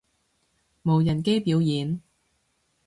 無人機表演